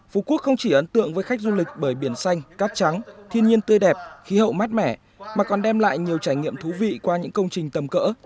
phú quốc không chỉ ấn tượng với khách du lịch bởi biển xanh cát trắng thiên nhiên tươi đẹp khí hậu mát mẻ mà còn đem lại nhiều trải nghiệm thú vị qua những công trình tầm cỡ